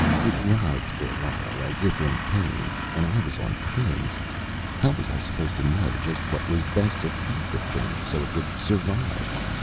It writhed for a while, as if in pain. And I was on pins. How was I supposed to know just what was best to feed the thing, so it would survive?